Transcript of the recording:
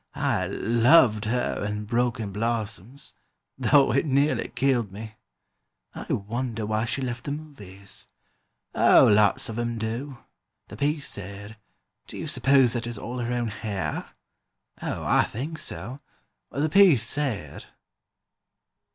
I loved her in 'Broken Blossoms,' though it nearly killed me." "I wonder why she left the movies." "Oh, lots of 'em do; the piece said...." "Do you suppose that is all her own hair?" "Oh, I think so; the piece said...."